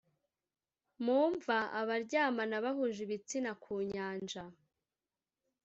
mu mva, abaryamana bahuje ibitsina, ku nyanja.